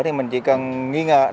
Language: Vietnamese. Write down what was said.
thì mình chỉ cần nghi ngờ